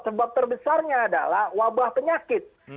sebab terbesarnya adalah wabah penyakit